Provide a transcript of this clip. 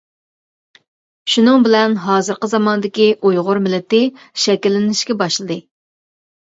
شۇنىڭ بىلەن ھازىرقى زاماندىكى ئۇيغۇر مىللىتى شەكىللىنىشكە باشلىدى.